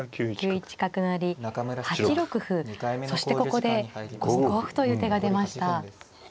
９一角成８六歩そしてここで５五歩という手が出ました。